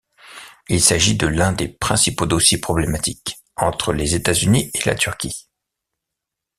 Il s'agit de l'un des principaux dossiers problématiques entre les États-Unis et la Turquie.